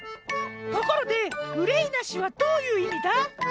ところで「うれいなし」はどういういみだ？